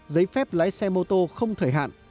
giấy phép lái xe mô tô không thời hạn